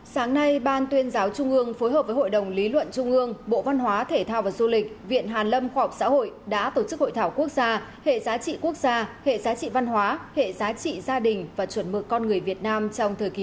sáng nay ban tuyên giáo trung ương phối hợp với hội đồng lý luận trung ương bộ văn hóa thể thao và du lịch viện hàn lâm khoa học xã hội đã tổ chức hội thảo quốc gia hệ giá trị quốc gia hệ giá trị văn hóa hệ giá trị gia đình và chuẩn mực con người việt nam trong thời kỳ